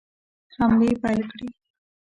حملې پیل کړې.